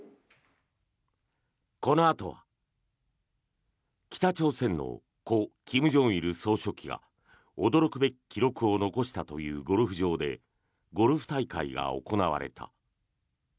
このあとは北朝鮮の故・金正日総書記が驚くべき記録を残したというゴルフ場でゴルフ大会が行われた。